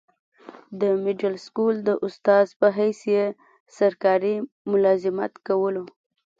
دمډل سکول د استاذ پۀ حيث ئي سرکاري ملازمت کولو